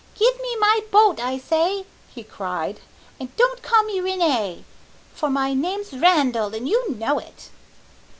"Give me my boat, I say," he cried, "and don't call me René, for my name's Randall and you know it!"